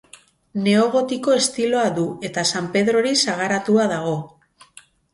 Neogotiko estiloa du eta San Pedrori sagaratua dago.